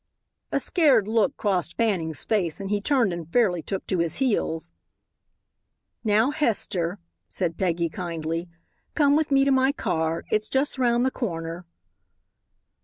A scared look crossed Fanning's face and he turned and fairly took to his heels. "Now, Hester," said Peggy, kindly, "come with me to my car. It's just 'round the corner."